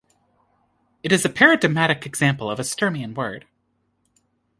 It is a paradigmatic example of a Sturmian word.